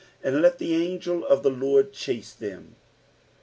"And let tkt angel of the Lard ehate them."